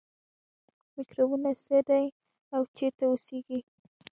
میکروبونه څه دي او چیرته اوسیږي